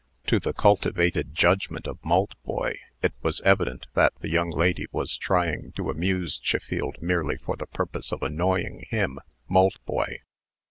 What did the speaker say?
To the cultivated judgment of Maltboy, it was evident that the young lady was trying to amuse Chiffield merely for the purpose of annoying him (Maltboy).